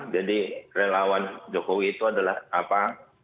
jadi relawan jokowi itu adalah apa